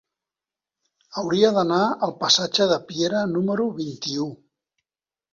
Hauria d'anar al passatge de Piera número vint-i-u.